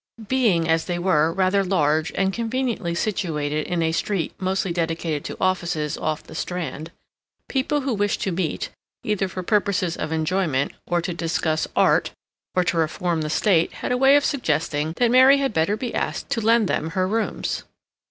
Being, as they were, rather large and conveniently situated in a street mostly dedicated to offices off the Strand, people who wished to meet, either for purposes of enjoyment, or to discuss art, or to reform the State, had a way of suggesting that Mary had better be asked to lend them her rooms.